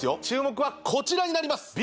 注目はこちらになります